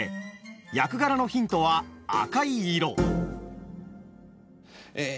役柄のヒントは赤い色。